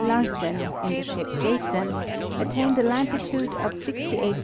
Larsen, in the ship Jason, attained a latitude of 68° 10'S.